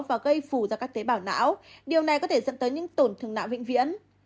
và gây phù ra các tế bào não điều này có thể dẫn tới những tổn thương não vĩnh viễn